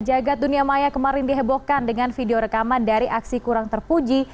jagad dunia maya kemarin dihebohkan dengan video rekaman dari aksi kurang terpuji